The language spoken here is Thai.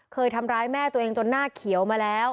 เคยทำร้ายแม่ตัวเองจนหน้าเขียวมาแล้ว